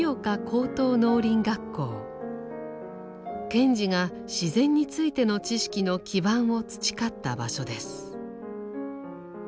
賢治が自然についての知識の基盤を培った場所です。